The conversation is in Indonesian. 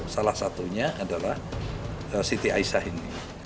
salah satunya adalah siti aisyah ini